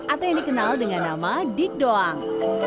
atau yang dikenal dengan nama dik doang